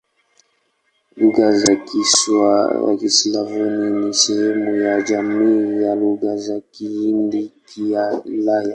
Lugha za Kislavoni ni sehemu ya jamii ya Lugha za Kihindi-Kiulaya.